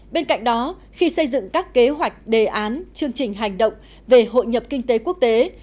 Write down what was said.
bên cạnh đó khi xây dựng các kế hoạch đề án chương trình hành động về hội nhập kinh tế quốc tế